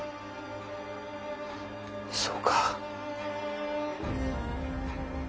そうか。